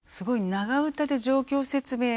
長唄で状況説明なり